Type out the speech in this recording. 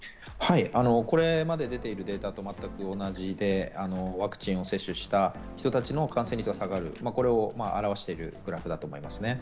これまで出ているデータと全く同じで、ワクチンを接種した人たちの感染率が下がる、これを表しているグラフだと思います。